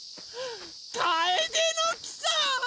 カエデの木さん！